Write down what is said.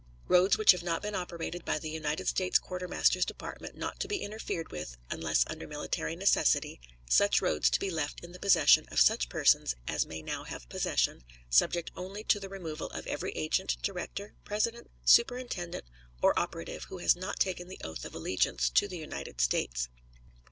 Roads which have not been operated by the United States Quartermaster's Department not to be interfered with unless under military necessity; such roads to be left in the possession of such persons as may now have possession, subject only to the removal of every agent, director, president, superintendent, or operative who has not taken the oath of allegiance to the United States.